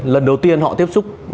lần đầu tiên họ tiếp xúc